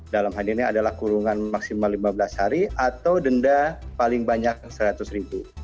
dalam hal ini adalah kurungan maksimal lima belas hari atau denda paling banyak rp seratus